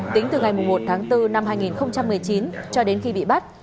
tính từ ngày một tháng bốn năm hai nghìn một mươi chín cho đến khi bị bắt